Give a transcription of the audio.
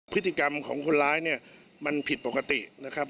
พฤติกรรมของคนร้ายเนี่ยมันผิดปกตินะครับ